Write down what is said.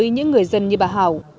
với những người dân như bà hảo